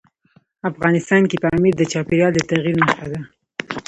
افغانستان کې پامیر د چاپېریال د تغیر نښه ده.